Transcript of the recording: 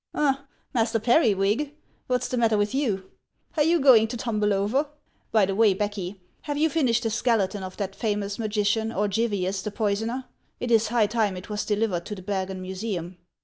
Ha, Muster Periwig, what 's the matter with you ? Are you going to tumble over ? By the way, Becky, have you finished the skeleton of that famous magician, Orgivius the poisoner ? It is high time it was delivered to the Bergen Museum.